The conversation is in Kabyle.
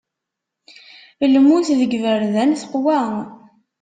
Lmut deg yiberdan teqwa.